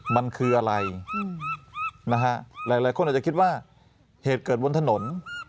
มันคืออะไรนะฮะหลายคนอาจจะคิดว่าเหตุเกิดบนถนน